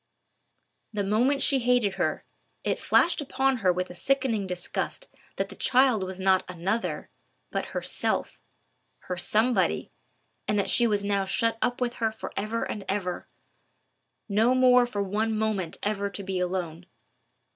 The moment she hated her, it flashed upon her with a sickening disgust that the child was not another, but her Self, her Somebody, and that she was now shut up with her for ever and ever—no more for one moment ever to be alone.